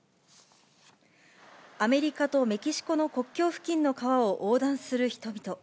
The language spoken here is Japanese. アメリカとメキシコの国境付近の川を横断する人々。